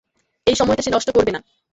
এই সময়টা সে নষ্ট করবে না।